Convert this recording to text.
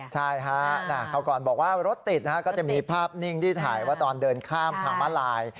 ใช่ฮะคราวก่อนบอกว่ารถติดก็จะมีภาพนิ่งที่ถ่ายว่าตอนเดินข้ามทางมาลาย